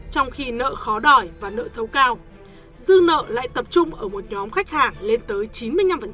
trong khi nợ khó đòi và nợ xấu cao dư nợ lại tập trung ở một nhóm khách hàng lên tới chín mươi năm